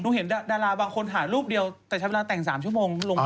หนูเห็นดาลาคนถามรูปเดียวแต่เวลาแต่ง๓ชั่วโมงลงมา